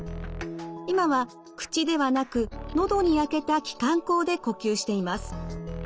今は口ではなく喉に開けた気管孔で呼吸しています。